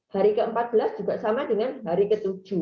hari ke empat belas juga sama dengan hari ke tujuh